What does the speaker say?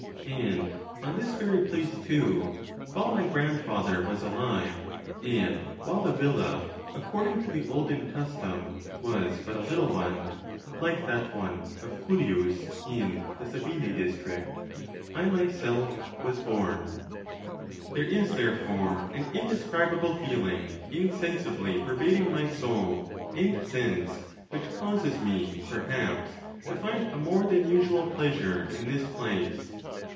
And on this very place, too, while my grandfather was alive, and while the villa, according to the olden custom, was but a little one, like that one of Curius in the Sabine district, I myself was born. There is, therefore, an indescribable feeling insensibly per vading my soul and sense which causes me, perhaps, to find a more than usual pleasure in this place.